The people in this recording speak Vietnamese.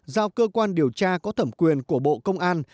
giao cơ quan điều tra có thẩm quyền của bộ công an